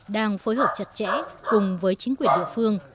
đang phối hợp chặt chẽ cùng với chính quyền địa phương